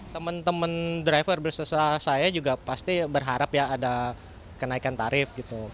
teman teman driver bersesa saya juga pasti berharap ya ada kenaikan tarif gitu